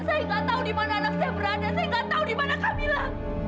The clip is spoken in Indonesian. saya tidak pernah mengenal ibu sekali ibu